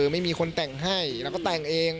ไม่มีคนแต่งให้แล้วก็แต่งเอง